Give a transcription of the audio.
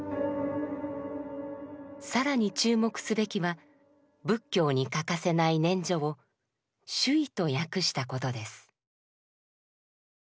更に注目すべきは仏教に欠かせない念処を「守意」と訳したことです。